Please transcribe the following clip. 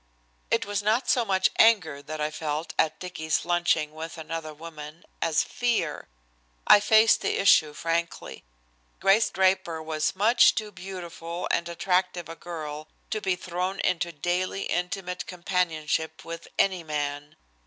It was not so much anger that I felt at Dicky's lunching with another woman as fear. I faced the issue frankly. Grace Draper was much too beautiful and attractive a girl to be thrown into daily intimate companionship with any man.